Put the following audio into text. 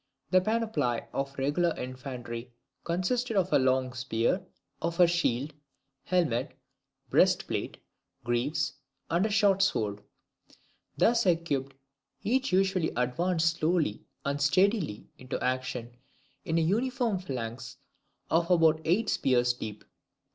The panoply of the regular infantry consisted of a long spear, of a shield, helmet, breast plate, greaves, and short sword. Thus equipped, they usually advanced slowly and steadily into action in an uniform phalanx of about eight spears deep.